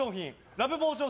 ラブポーション！